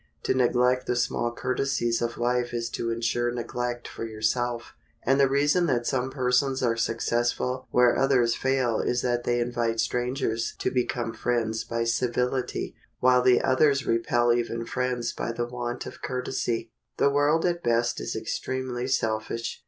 To neglect the small courtesies of life is to insure neglect for yourself. And the reason that some persons are successful where others fail is that they invite strangers to become friends by civility, while the others repel even friends by the want of courtesy. The world at best is extremely selfish.